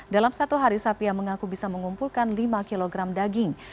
dalam satu hari sapia mengaku bisa mengumpulkan lima kg daging